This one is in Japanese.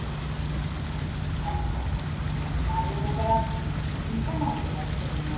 あの子周りの子から「じいさま」って呼ばれちょるんよ。